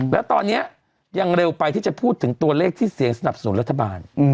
แล้วตอนนี้ยังเร็วไปที่จะพูดถึงตัวเลขที่เสียงสนับสนุนรัฐบาล